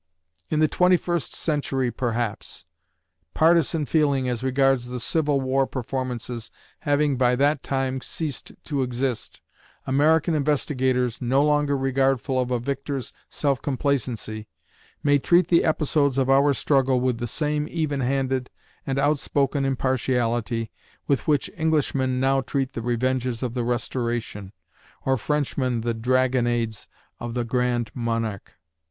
In the twenty first century, perhaps, partisan feeling as regards the Civil War performances having by that time ceased to exist, American investigators, no longer regardful of a victor's self complacency, may treat the episodes of our struggle with the same even handed and out spoken impartiality with which Englishmen now treat the revenges of the Restoration, or Frenchmen the dragonnades of the Grand Monarque.